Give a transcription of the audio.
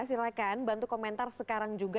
silahkan bantu komentar sekarang juga